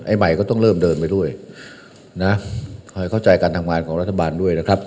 ใหม่ก็ต้องเริ่มเดินไปด้วยนะคอยเข้าใจการทำงานของรัฐบาลด้วยนะครับ